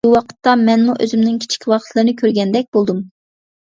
شۇ ۋاقىتتا مەنمۇ ئۆزۈمنىڭ كىچىك ۋاقىتلىرىنى كۆرگەندەك بولدۇم.